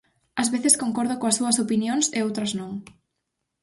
Ás veces concordo coas súas opinións e outras non.